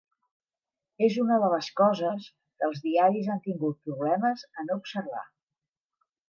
És una de les coses que els diaris han tingut problemes en observar.